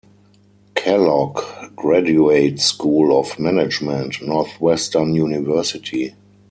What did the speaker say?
Kellogg Graduate School of Management, Northwestern University.